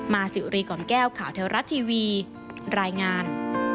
สิวรีกล่อมแก้วข่าวเทวรัฐทีวีรายงาน